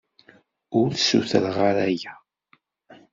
Ur ssutreɣ ara aya.